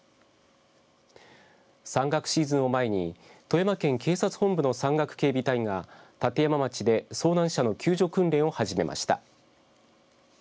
山岳シーズンを前に富山県警察本部の山岳警備隊が立山町で遭難者の救助訓練を始めました。